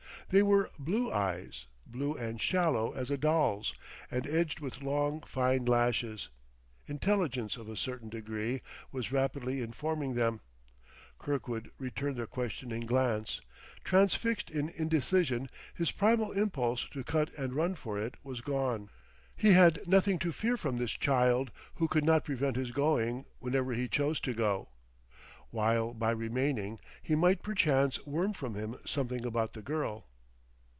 They were blue eyes, blue and shallow as a doll's, and edged with long, fine lashes. Intelligence, of a certain degree, was rapidly informing them. Kirkwood returned their questioning glance, transfixed in indecision, his primal impulse to cut and run for it was gone; he had nothing to fear from this child who could not prevent his going whenever he chose to go; while by remaining he might perchance worm from him something about the girl.